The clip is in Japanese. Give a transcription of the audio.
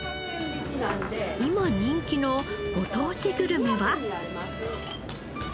今人気のご当地グルメは？